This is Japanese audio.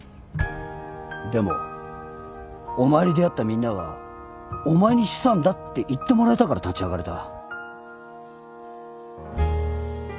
でもお前に出会ったみんなはお前に資産だって言ってもらえたから立ち上がれた。